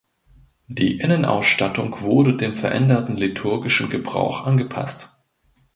Die Innenausstattung wurde dem veränderten liturgischen Gebrauch angepasst.